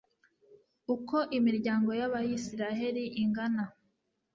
uko imiryango y'abayisraheli ingana